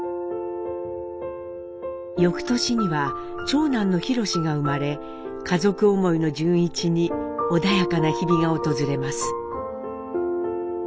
翌年には長男の宏が生まれ家族思いの潤一に穏やかな日々が訪れます。